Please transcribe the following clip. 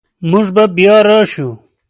موږ به بیا راشو